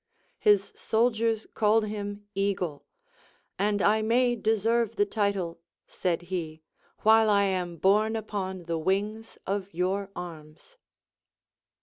His soldiers called him Eagle ; And I may deserve the title, said he, while I am borne upon the wings of your arms.